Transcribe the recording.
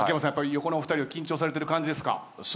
横のお二人は緊張されてる感じですか？